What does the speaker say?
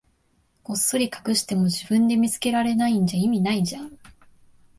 こっそり隠しても、自分で見つけられないんじゃ意味ないじゃん。